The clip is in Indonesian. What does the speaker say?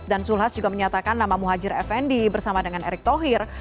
dan zulhas juga menyatakan nama muhajir effendi bersama dengan erick thohir